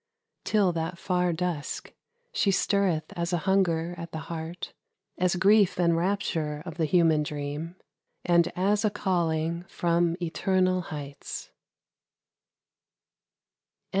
Till that far dusk, She stirreth as a hunger at the heart, As grief and rapture of the human dream, And as a calling from eternal heights.